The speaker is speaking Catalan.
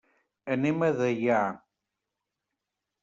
Anem a Deià.